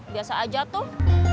biasa aja tuh